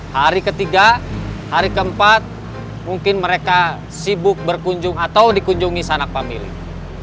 hari ketiga hari keempat mungkin mereka sibuk berkunjung atau dikunjungi sanak family